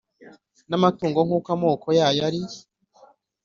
n’amatungo nk’uko amoko yayo ari